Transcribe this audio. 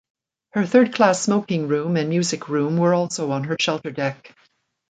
Her third class smoking room and music room were also on her shelter deck.